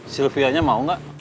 sylvia nya mau nggak